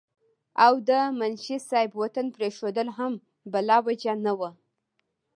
او د منشي صېب وطن پريښودل هم بلاوجه نه وو